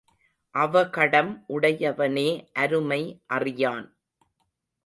அவகடம் உடையவனே அருமை அறியான்.